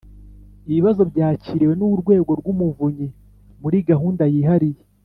Ibibazo byakiriwe n Urwego rw Umuvunyi muri gahunda yihariye